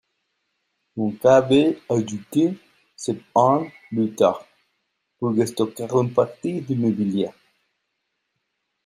Une cave est ajoutée sept ans plus tard, pour stocker une partie du mobilier.